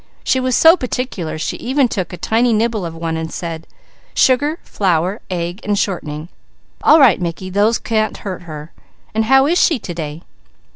She was so particular she even took a tiny nibble of one and said: "Sugar, flour, egg and shortening all right Mickey, those can't hurt her. And how is she to day?"